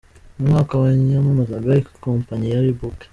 Mu Mwaka wa yamamazaga ikompanyi ya Reebok.